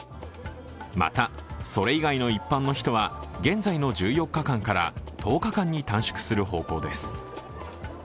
またそれ以外の一般の人は現在の１４日間から１０日間に短縮する方向です。